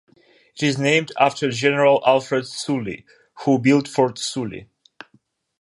It is named after General Alfred Sully who built Fort Sully.